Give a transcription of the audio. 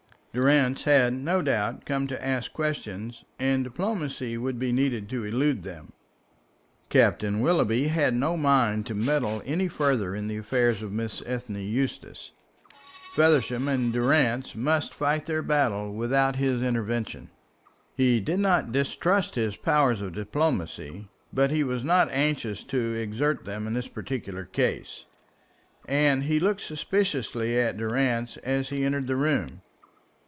Durrance had, no doubt come to ask questions, and diplomacy would be needed to elude them. Captain Willoughby had no mind to meddle any further in the affairs of Miss Ethne Eustace. Feversham and Durrance must fight their battle without his intervention. He did not distrust his powers of diplomacy, but he was not anxious to exert them in this particular case, and he looked suspiciously at Durrance as he entered the room.